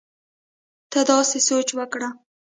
ته داسې سوچ وکړه